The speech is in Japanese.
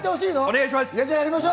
お願いします。